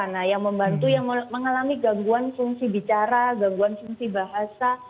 nah yang membantu yang mengalami gangguan fungsi bicara gangguan fungsi bahasa